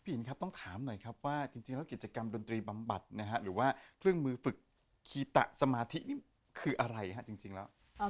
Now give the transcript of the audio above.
อินครับต้องถามหน่อยครับว่าจริงแล้วกิจกรรมดนตรีบำบัดนะฮะหรือว่าเครื่องมือฝึกคีตะสมาธินี่คืออะไรฮะจริงแล้ว